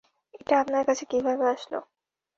এটা আপনার কাছে কিভাবে আসল?